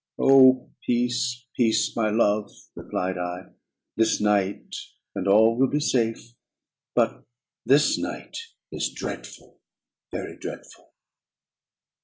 "Oh! peace, peace, my love," replied I; "this night, and all will be safe: but this night is dreadful, very dreadful."